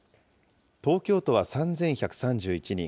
東京都は３１３１人。